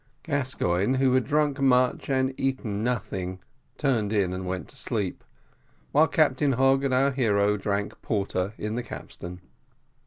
Gascoigne, who had drunk much and eaten nothing, turned in and went to sleep while Captain Hogg and our hero drank porter on the capstern.